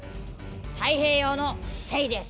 太平洋の精です。